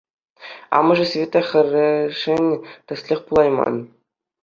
Амӑшӗ Света хӗрӗшӗн тӗслӗх пулайман.